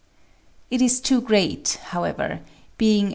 It is too great, however, being 3.